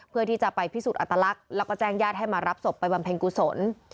เพื่อที่จะไปพิสูจน์อัตลักษณ์แล้วก็แจ้งญาติให้มารับศพไปบำเพ็ญกุศล